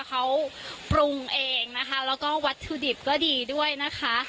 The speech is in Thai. เขาปรุงเองนะคะแล้วก็วัตถุดิบก็ดีด้วยนะคะ